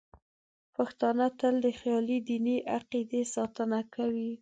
پښتانه تل د خپلې دیني عقیدې ساتنه کوي.